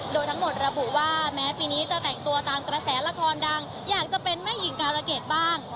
โดยทั้งหมดระบุว่าแม้ปีนี้จะแต่งตัวตามกระแสละครดังอยากจะเป็นแม่หญิงการะเกดบ้าง